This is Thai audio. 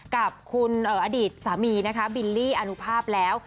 กับคุณอดีตสามีนะคะบิลลี่อนุภาพแล้ว